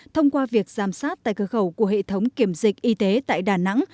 thông qua việc giám sát tại cơ khẩu của hệ thống kiểm dịch y tế tại đà nẵng